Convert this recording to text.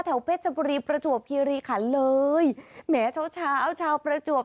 แถวเพชรบุรีประจวบพิริค่ะเลยแหมเฉาเฉาเฉาประจวบ